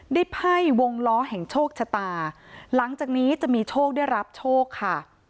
ไพ่วงล้อแห่งโชคชะตาหลังจากนี้จะมีโชคได้รับโชคค่ะ